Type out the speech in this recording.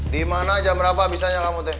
dimana jam berapa abisannya kamu tuh